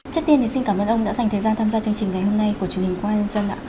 chắc tiên xin cảm ơn ông đã dành thời gian tham gia chương trình ngày hôm nay của chương trình qua nhân dân